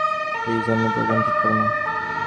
Please অন্য program ঠিক করো না।